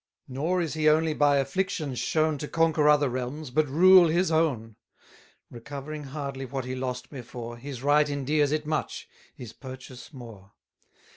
Nor is he only by afflictions shown To conquer other realms, but rule his own: Recovering hardly what he lost before, His right endears it much; his purchase more.